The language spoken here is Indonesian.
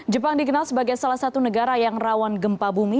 jepang dikenal sebagai salah satu negara yang rawan gempa bumi